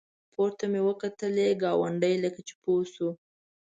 پورته مې وکتلې ګاونډی لکه چې پوه شو.